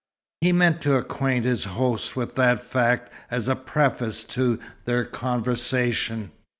He meant to acquaint his host with that fact as a preface to their conversation.